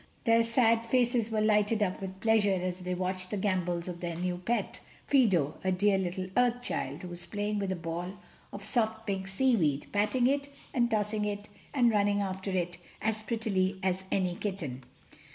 Their sad faces were lighted up with pleasure as they watched the gambols of their new pet, Fido, a dear little earth child, who was playing with a ball of soft pink seaweed, patting it, and tossing it and running after it as prettily as any kitten.